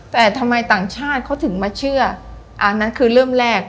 แต่ทำไมต่างชาติเขาถึงมาเชื่ออันนั้นคือเริ่มแรก